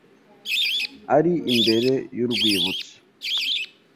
Ari imbere y'urwibutso.